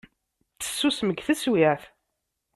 Tessusem deg teswiεt.